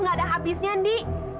nggak ada habisnya ndi